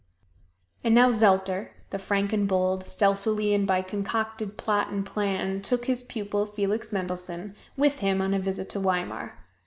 And now Zelter, the frank and bold, stealthily and by concocted plot and plan took his pupil, Felix Mendelssohn, with him on a visit to Weimar.